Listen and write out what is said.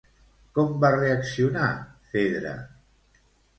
Com va reaccionar Fedra?